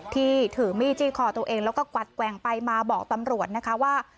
ที่ถือมีดจี้คอตัวเองแล้วก็กวัดแกว่งไปมาบอกตำรวจนะคะว่า